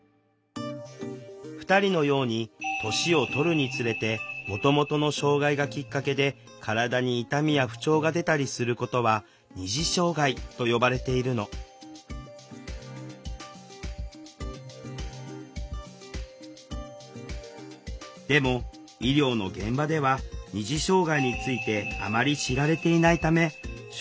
２人のように年をとるにつれてもともとの障害がきっかけで体に痛みや不調が出たりすることは「二次障害」と呼ばれているのでも医療の現場ではって言われたんですよ。